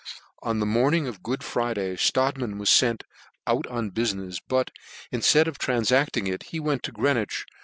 On the morning of Good Friday Strodtman was fent put on bufinefs ; but inftead of tran& acting it, he went to Qreenwich